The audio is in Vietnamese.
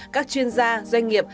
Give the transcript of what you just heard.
các chuyên gia doanh nghiệp